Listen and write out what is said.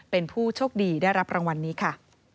เป็นผู้โชคดีได้รับรางวัลนี้ค่ะ